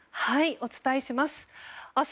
お伝えします。